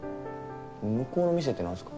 向こうの店ってなんすか？